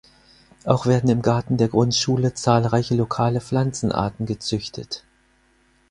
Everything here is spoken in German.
Auch werden im Garten der Grundschule zahlreiche lokale Pflanzenarten gezüchtet.